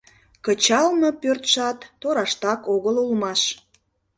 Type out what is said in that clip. Кычалме пӧртшат тораштак огыл улмаш.